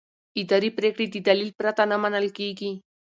اداري پریکړې د دلیل پرته نه منل کېږي.